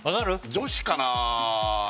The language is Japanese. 女子かな